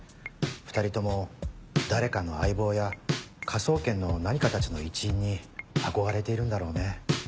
２人とも誰かの相棒や科捜研の何かたちの一員に憧れているんだろうね。